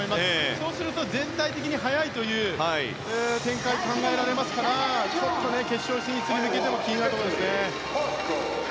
そうすると全体的に速いという展開が考えられますからちょっと決勝進出に向けて気になりますね。